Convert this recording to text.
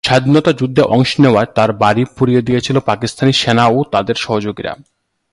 স্বাধীনতা যুদ্ধে অংশ নেওয়ায় তার বাড়ি পুড়িয়ে দিয়েছিল পাকিস্তানী সেনা ও তাদের সহযোগীরা।